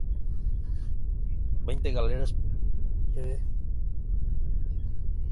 Veinte galeras venecianas los transportaron a Palestina.